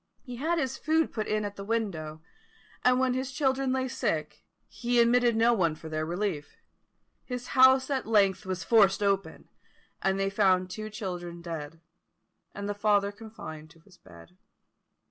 He had his food put in at the window; and when his children lay sick, he admitted no one for their relief. His house at length was forced open, and they found two children dead, and the father confined to his bed.